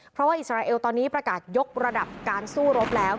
เพราะว่าอิสราเอลตอนนี้ประกาศยกระดับการสู้รบแล้ว